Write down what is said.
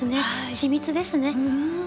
緻密ですね。